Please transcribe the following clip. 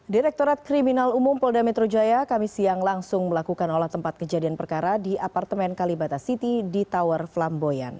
direktorat kriminal umum polda metro jaya kami siang langsung melakukan olah tempat kejadian perkara di apartemen kalibata city di tower flamboyan